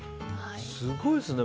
すごいですね。